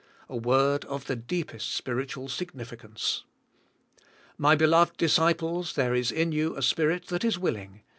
A word of the deepest spiritual sig nificance. *'My beloved disciples, there is in you a spirit that is willing.